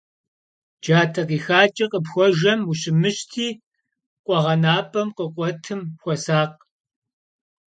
Джатэ къихакӀэ къыпхуэжэм ущымыщти, къуэгъэнапӀэм къыкъуэтым хуэсакъ.